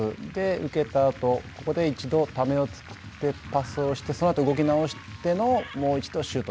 受けたあとここで一度ためを作って、パスをしてそのあと、動き直してのもう一度シュート。